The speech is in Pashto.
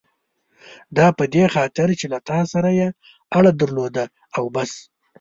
دا په دې خاطر چې له تا سره یې اړه درلوده او بس.